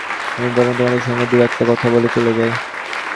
আমি বরং তোমার সঙ্গে দু-একটা কথা বলে চলে যাই।